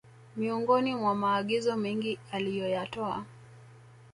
miongoni mwa maagizo mengi aliyoyatoa